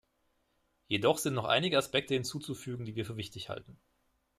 Jedoch sind noch einige Aspekte hinzuzufügen, die wir für wichtig halten.